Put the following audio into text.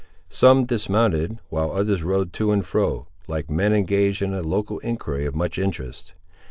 Some dismounted, while others rode to and fro, like men engaged in a local enquiry of much interest.